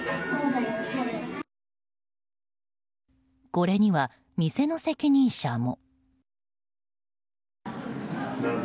これには店の責任者も。